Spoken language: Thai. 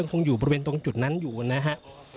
คงอยู่บริเวณตรงจุดนั้นอยู่นะฮะ